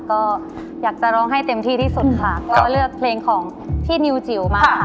ก็อยากจะร้องให้เต็มที่ที่สุดค่ะก็เลือกเพลงของพี่นิวจิ๋วมาค่ะ